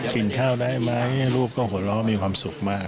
กินข้าวได้ไหมลูกก็หัวเราะมีความสุขมาก